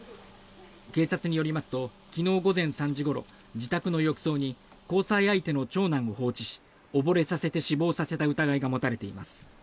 警察によりますと昨日午前３時ごろ自宅の浴槽に交際相手の長男を放置し溺れさせて死亡させた疑いが持たれています。